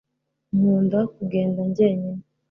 nkunda kugenda njyenyine